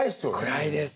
暗いです。